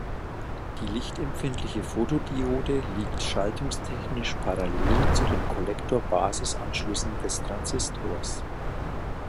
Die lichtempfindliche Fotodiode liegt schaltungstechnisch parallel zu den Kollektor-Basis-Anschlüssen des Transistors.